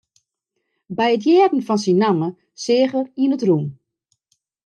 By it hearren fan syn namme seach er yn it rûn.